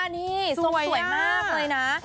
นี่ทรงสวยมากเลยนะ